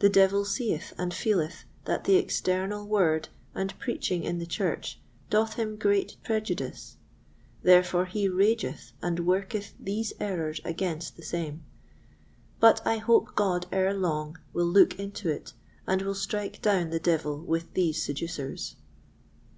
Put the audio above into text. The devil seeth and feeleth that the external Word and preaching in the Church doth him great prejudice, therefore he rageth and worketh these errors against the same; but I hope God ere long will look into it, and will strike down the devil with these seducers.